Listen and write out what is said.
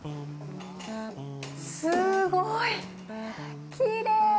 すごい！きれい！